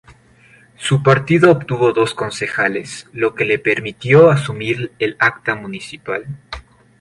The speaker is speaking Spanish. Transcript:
Su partido obtuvo dos concejales, lo que le permitió asumir el acta municipal.